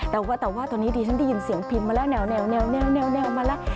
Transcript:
แต่ว่าแต่ว่าตอนนี้ดิฉันได้ยินเสียงพิมพ์มาแล้วแนวมาแล้ว